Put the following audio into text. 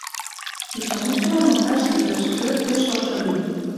Кече мучкылан олташ ситыш, пӧрт пеш шокшо лийын.